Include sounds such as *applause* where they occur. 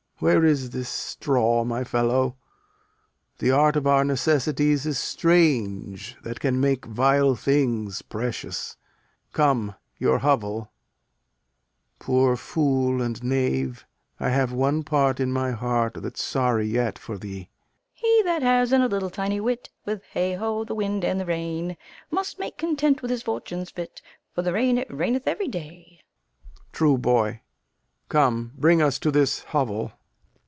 Where is this straw, my fellow? The art of our necessities is strange, That can make vile things precious. Come, your hovel. Poor fool and knave, I have one part in my heart That's sorry yet for thee. Fool. *sings* He that has and a little tiny wit With hey, ho, the wind and the rain Must make content with his fortunes fit, For the rain it raineth every day. Lear. True, my good boy. Come, bring us to this hovel.